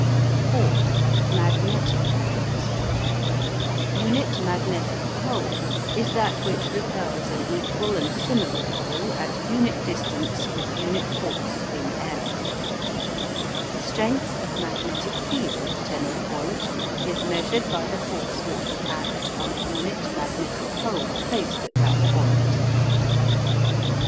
IV. MAGNETIC UNITS. UNIT MAGNETIC POLE is that which repels an equal and similar pole at unit distance with unit force in air. STRENGTH OF MAGNETIC FIELD at any point is measured by the force which would act on a unit magnetic pole placed at that point.